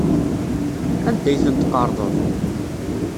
Anda ay tent-tqerḍeḍ?